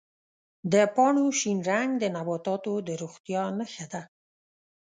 د پاڼو شین رنګ د نباتاتو د روغتیا نښه ده.